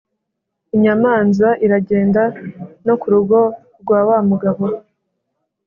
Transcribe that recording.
inyamanza iragenda no ku rugo rwa wa mugabo,